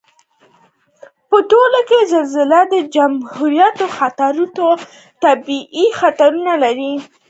په ټوله کې زلزله د جیولوجیکي خطراتو او طبعي پېښو له جملې یوه ده